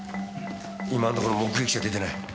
今のところ目撃者出てない。